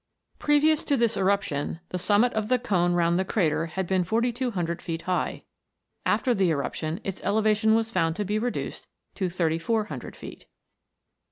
Previous to this eruption, the summit of the cone round the crater had been 4200 feet high ; after the eruption its elevation was found to be reduced to 3400 feet.